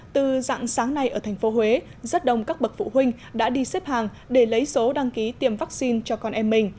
từ dạng sáng nay ở thành phố huế rất đông các bậc phụ huynh đã đi xếp hàng để lấy số đăng ký tiêm vaccine cho con em mình